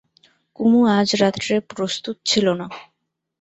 কুমু আজ রাত্রে প্রস্তুত ছিল না।